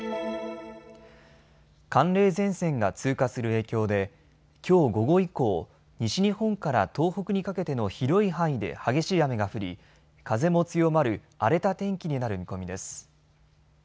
寒冷前線が通過する影響できょう午後以降、西日本から東北にかけての広い範囲で激しい雨が降り風も強まる荒れた天気になる見込みです。